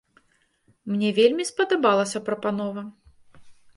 Мне вельмі спадабалася прапанова.